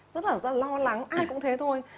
rất là lo lắng ai cũng thế thôi